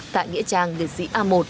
tại nghĩa trang liệt sĩ a một